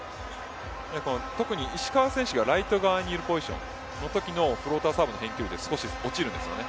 特に石川選手がライト側にいるポジションのときのフローターサーブの返球率、少し落ちるんですよね。